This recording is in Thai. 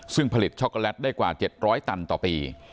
ซึ่งผลิตช็อคโกแลตได้กว่าเจ็ดร้อยตันต่อปี